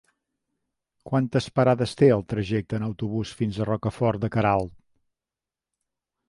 Quantes parades té el trajecte en autobús fins a Rocafort de Queralt?